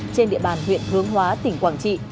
trên địa bàn huyện hướng hóa tỉnh quảng trị